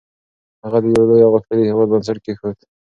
هغه د یو لوی او غښتلي هېواد بنسټ کېښود.